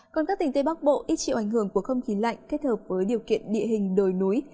còn các tỉnh tây bắc bộ ít chịu ảnh hưởng của không khí lạnh kết hợp với điều kiện địa hình đồi núi